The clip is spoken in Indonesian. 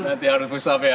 nanti harus push up ya